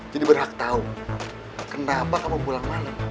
jadi berhak tau kenapa kamu pulang malam